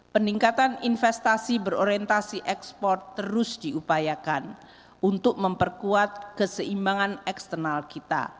peningkatan investasi berorientasi ekspor terus diupayakan untuk memperkuat keseimbangan eksternal kita